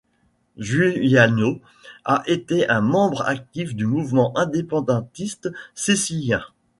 Giuliano a été un membre actif du Mouvement indépendantiste sicilien.